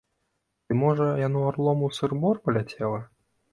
Ці, можа, яно арлом у сыр-бор паляцела?